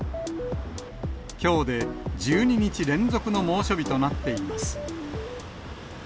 きょうで１２日連続の猛暑日となっています。